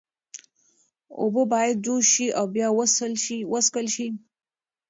اوبه باید جوش شي او بیا وڅښل شي.